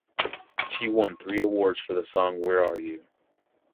She won three awards for the song "Where Are You".